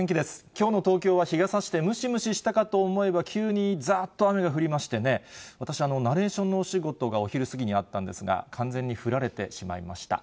きょうの東京は日がさして、ムシムシしたかと思えば、急にざーっと雨が降りましてね、私、ナレーションのお仕事がお昼過ぎにあったんですが、完全に降られてしまいました。